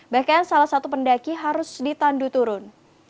bahkan salah satu pendaki harus ditandu turun